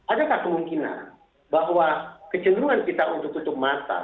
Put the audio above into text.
adakah kemungkinan bahwa kecenderungan kita untuk tutup mata